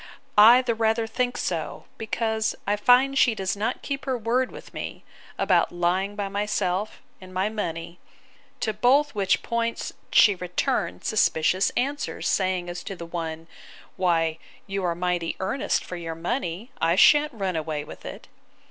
—I the rather think so, because I find she does not keep her word with me, about lying by myself, and my money; to both which points she returned suspicious answers, saying, as to the one, Why, you are mighty earnest for your money; I shan't run away with it.